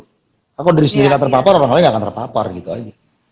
kalau diri sendiri gak terpapar orang lain gak akan terpapar gitu aja